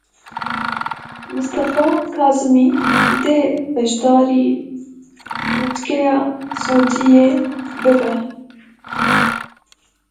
Mistefa Kazimî dê beşdarî Lûtkeya Siûdiyê bibe.